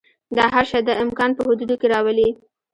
دا هر شی د امکان په حدودو کې راولي.